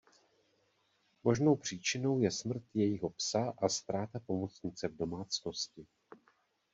Možnou příčinou je smrt jejího psa a ztráta pomocnice v domácnosti.